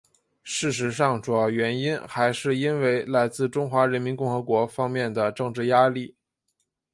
事实上主要原因还是因为来自中华人民共和国方面的政治压力。